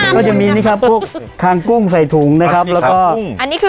ก็จะมีนี่ครับพวกคางกุ้งใส่ถุงนะครับแล้วก็อันนี้คือ